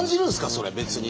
それ別に。